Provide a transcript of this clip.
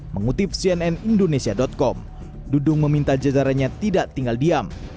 mengutip cnn indonesia com dudung meminta jajarannya tidak tinggal diam